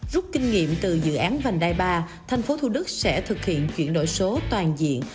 rút kinh nghiệm từ dự án vàng đại ba thành phố thủ đức sẽ thực hiện chuyển đổi số toàn diện